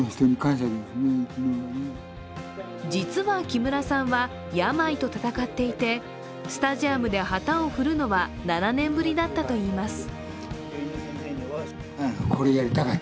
実は木村さんは、病と闘っていてスタジアムで旗を振るのは７年ぶりだったといいます。